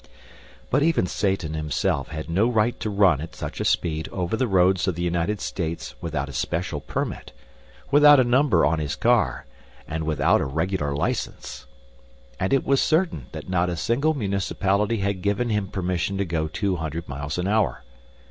But even Satan himself had no right to run at such speed over the roads of the United States without a special permit, without a number on his car, and without a regular license. And it was certain that not a single municipality had given him permission to go two hundred miles an hour.